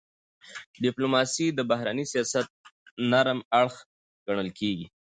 ډيپلوماسي د بهرني سیاست نرم اړخ ګڼل کېږي.